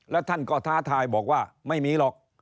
แล้วท่านก็ท้าทายบอกว่าไม่มีหรอก